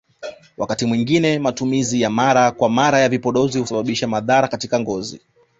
Wakati mwingine matumizi ya mara kwa mara ya vipodozi husababisha madhara katika ngozi